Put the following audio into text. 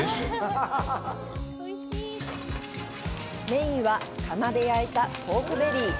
メインは、窯で焼いたポークベリー。